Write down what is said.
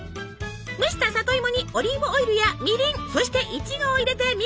蒸した里芋にオリーブオイルやみりんそしてイチゴを入れてミキサーに。